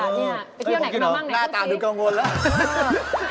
ไปเที่ยวไหนก็มาบ้างไหนก็ไม่รู้สิน่าตาเหมือนกังวลแล้ว